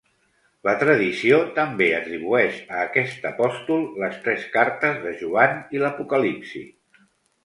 La tradició també atribueix a aquest apòstol les tres Cartes de Joan i l'Apocalipsi.